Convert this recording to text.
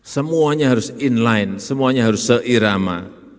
semuanya harus inline semuanya harus seirama